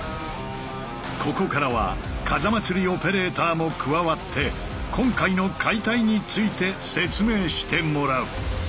ここからは風祭オペレーターも加わって今回の解体について説明してもらう。